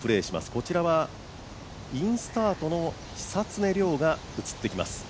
こちらはインスタートの久常涼が映ってきます。